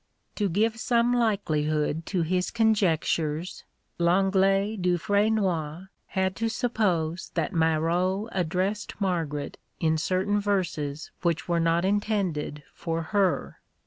To give some likelihood to his conjectures, Lenglet Dufresnoy had to suppose that Marot addressed Margaret in certain verses which were not intended for her.